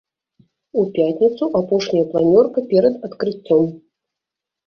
У пятніцу апошняя планёрка перад адкрыццём.